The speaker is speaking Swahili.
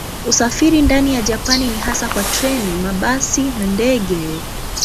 Usafiri ndani ya Japani ni hasa kwa treni, mabasi na ndege.